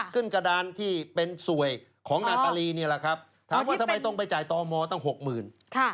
กระดานที่เป็นสวยของนาตาลีนี่แหละครับถามว่าทำไมต้องไปจ่ายตมตั้งหกหมื่น